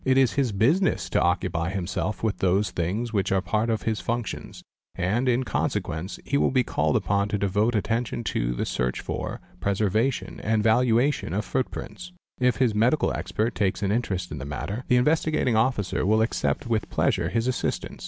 It is his business to occupy himself with those — things which are part of his functions, and in consequence he will be called _ upon to devote attention to the search for, preservation, and valuation — of footprints. If his medical expert takes an interest in the matter, the — Investigating Officer will accept with pleasure his assistance.